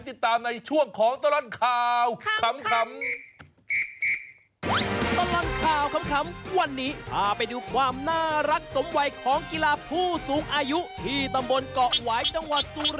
ติดตามในช่วงของตลอดข่าวขำ